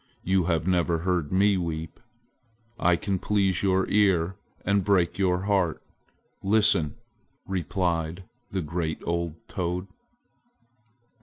You have never heard me weep. I can please your ear and break your heart. Listen!" replied the great old toad.